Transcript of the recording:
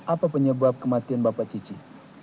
apa penyebab kematian bapak cici